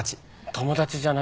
友達じゃないです。